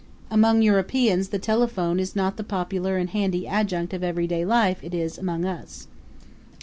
Among Europeans the telephone is not the popular and handy adjunct of every day life it is among us.